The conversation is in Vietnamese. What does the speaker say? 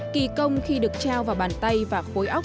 kỳ công khi được trao vào bàn tay và khối óc